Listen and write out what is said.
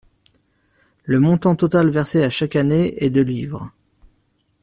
Le montant total versé à chaque année est de livres.